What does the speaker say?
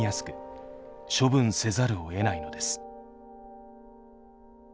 処分せざるをえないのです。